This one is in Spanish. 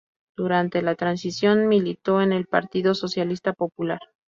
Durante la Transición militó en el Partido Socialista Popular.